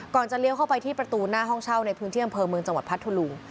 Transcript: จะเลี้ยวเข้าไปที่ประตูหน้าห้องเช่าในพื้นที่อำเภอเมืองจังหวัดพัทธลุง